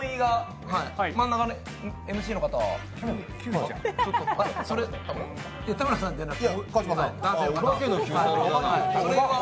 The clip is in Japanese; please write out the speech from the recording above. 真ん中のＭＣの方田村さんじゃない。